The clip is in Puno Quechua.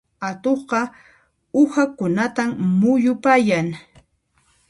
Atuqqa uhakunatan muyupayan.